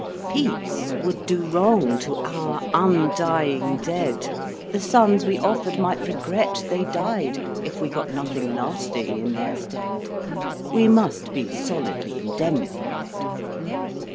Peace would do wrong to our undying dead, The sons we offered might regret they died If we got nothing lasting in their stead. We must be solidly indemnified.